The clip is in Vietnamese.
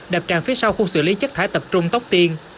đập tràn phía sau khu xử lý chất thải tập trung tóc tiên